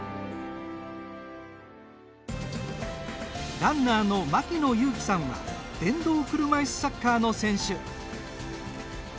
ランナーの牧野勇樹さんは電動車いすサッカーの選手。